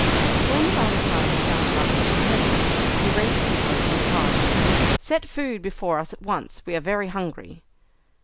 When the Barmecide had done rubbing his hands, he raised his voice, and cried, "Set food before us at once, we are very hungry."